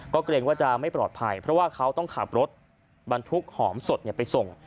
ก็เกรงว่าจะไม่ปลอดภัยเพราะว่าเขาต้องขับรถบรรทุกหอมสดไปส่ง